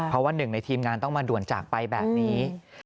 เพราะว่าหนึ่งในทีมงานต้องมาด่วนจากไปแบบนี้